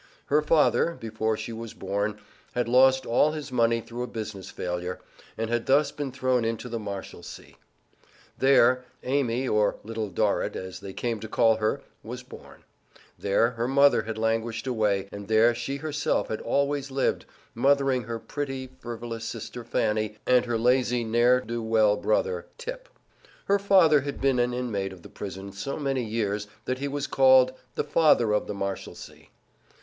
Her father, before she was born, had lost all his money through a business failure, and had thus been thrown into the Marshalsea. There Amy, or Little Dorrit, as they came to call her, was born; there her mother had languished away, and there she herself had always lived, mothering her pretty frivolous sister Fanny, and her lazy, ne'er do well brother, "Tip." Her father had been an inmate of the prison so many years that he was called "The Father of the Marshalsea."